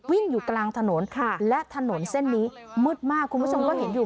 วิ่งอยู่กลางถนนและถนนเส้นนี้มืดมากคุณผู้ชมก็เห็นอยู่